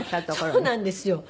そうなんですよ。